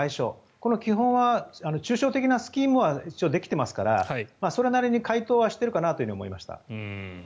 この基本は、抽象的なスキームは一応できていますからそれなりに回答はしているかなと思いました。